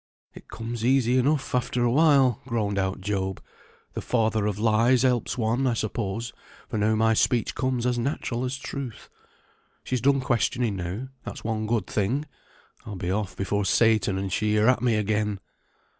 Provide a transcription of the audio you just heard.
"It comes easy enough after a while," groaned out Job. "The father of lies helps one, I suppose, for now my speech comes as natural as truth. She's done questioning now, that's one good thing. I'll be off before Satan and she are at me again."